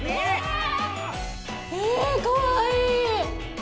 えかわいい！